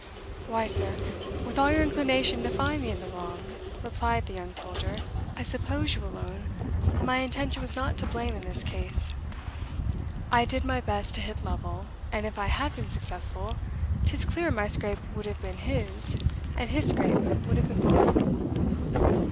"Why, sir, with all your inclination to find me in the wrong," replied the young soldier, "I suppose you will own my intention was not to blame in this case. I did my best to hit Lovel, and if I had been successful, 'tis clear my scrape would have been his, and his scrape would have been mine."